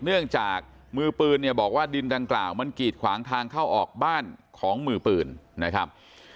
เนื่องจากมือปืนเนี่ยบอกว่าดินดังกล่าวมันกีดขวางทางเข้าออกบ้านของมือปืนนะครับ